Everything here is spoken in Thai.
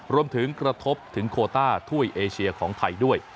กระทบถึงโคต้าถ้วยเอเชียของไทยด้วย